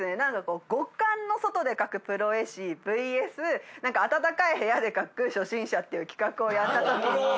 極寒の外で描くプロ絵師ＶＳ暖かい部屋で描く初心者っていう企画をやったときに。